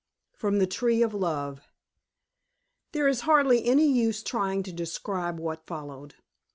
FROM THE TREE OF LOVE There is hardly any use trying to describe what followed.